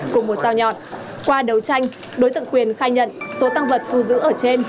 cùng một dao nhọt qua đấu tranh đối tượng quyền khai nhận số tăng vật thu giữ ở trên